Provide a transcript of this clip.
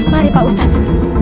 mari pak ustad